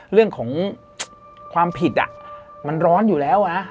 เรื่องของความผิดมันร้อนอยู่แล้ว